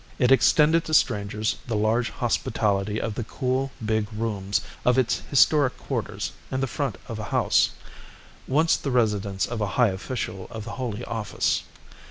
It extended to strangers the large hospitality of the cool, big rooms of its historic quarters in the front part of a house, once the residence of a high official of the Holy Office.